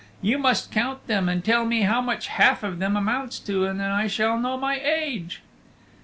You must count them and tell me how much half of them amounts to and then I shall know my age."